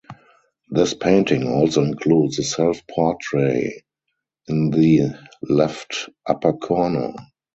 This painting also includes a self-portrait in the left upper corner.